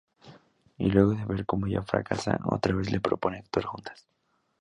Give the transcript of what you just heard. Y luego de ver como ella fracasa, otra vez le propone actuar juntas.